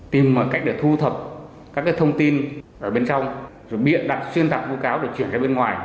tìm mọi cách để thu thập các thông tin ở bên trong rồi bịa đặt xuyên tạp vô cáo để chuyển ra bên ngoài